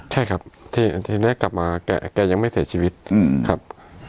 ใช่ครับทีแรกกลับมาแกยังไม่เสียชีวิตครับ